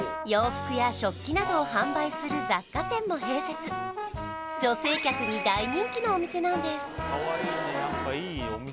洋服や食器などを販売する雑貨店も併設のお店なんです